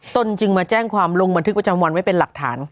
ตนจึงมาแจ้งความลงบันทึกประจำวันไว้เป็นหลักฐาน